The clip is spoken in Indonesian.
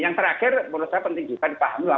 yang terakhir menurut saya penting juga dipahami lah